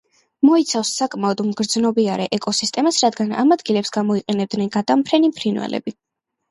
მოიცავს საკმაოდ მგრძნობიარე ეკოსისტემას, რადგან ამ ადგილებს გამოიყენებენ გადამფრენი ფრინველები.